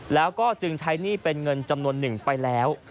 แล้วก็จึงใช้หนี้เป็นเงินจำนวนหนึ่งไปแล้ว